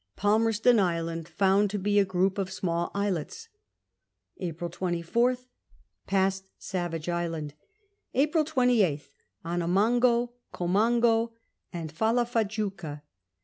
Palmerston Island found to be a group of small islets. April 24th. Passed Savage Island. April 26th. Annamango, Komango, and Fallafajuca.